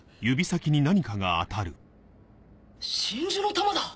真珠の玉だ！